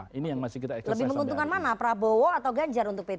lebih menguntungkan mana prabowo atau ganjar untuk p tiga